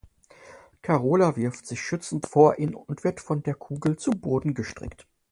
Carola wirft sich schützend vor ihn und wird von der Kugel zu Boden gestreckt.